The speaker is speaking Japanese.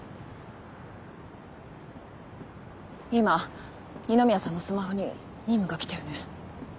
今二宮さんのスマホに任務が来たよね？